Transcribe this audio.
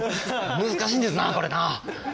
難しいんですなこれな。